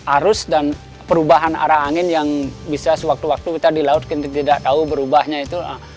arus dan perubahan arah angin yang bisa sewaktu waktu kita di laut kita tidak tahu berubahnya itu